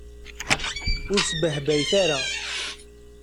Ur sbehbayet ara.